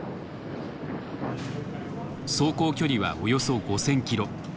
走行距離はおよそ５，０００キロ。